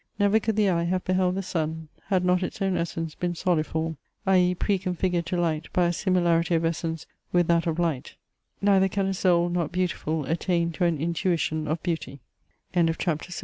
Never could the eye have beheld the sun, had not its own essence been soliform," (i.e. pre configured to light by a similarity of essence with that of light) "neither can a soul not beautiful attain to an intuition of bea